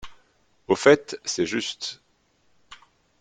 Au fait, c’est juste…